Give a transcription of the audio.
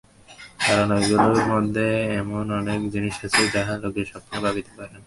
কারণ ঐগুলির মধ্যে এমন অনেক জিনিষ আছে, যাহা লোকে স্বপ্নেও ভাবিতে পারে না।